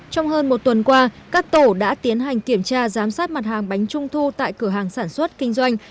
trong hơn một tuần qua các tổ đã tiến hành kiểm tra giám sát mặt hàng bánh trung thu tại cửa hàng sản xuất kinh doanh